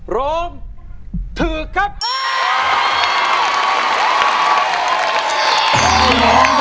ร้องได้ให้ร้าง